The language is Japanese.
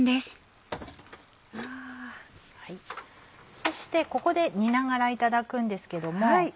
そしてここで煮ながらいただくんですけども。